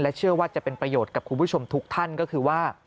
เชื่อว่าจะเป็นประโยชน์กับคุณผู้ชมทุกท่านก็คือว่า